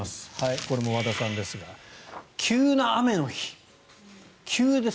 これも和田さんですが急な雨の日、急です。